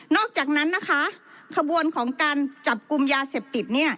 อกจากนั้นนะคะขบวนของการจับกลุ่มยาเสพติดเนี่ย